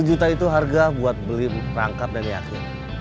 sepuluh juta itu harga buat beli perangkap dan yakni